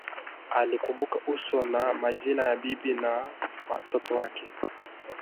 Alikumbuka uso na majina ya bibi na watoto wake